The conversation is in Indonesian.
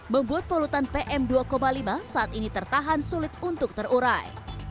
membuat polutan pm dua lima saat ini tertahan sulit untuk terurai